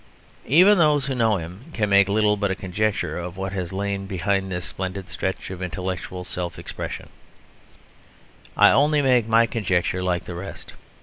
Even those who know him can make little but a conjecture of what has lain behind this splendid stretch of intellectual self expression; I only make my conjecture like the rest.